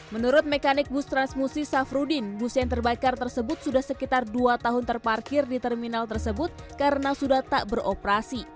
menurut mekanik bus transmusi safruddin bus yang terbakar tersebut sudah sekitar dua tahun terparkir di terminal tersebut karena sudah tak beroperasi